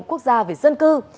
quốc gia về dân cư